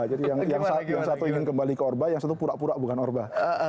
jadi yang satu ingin kembali ke orba yang satu pura pura bukan orba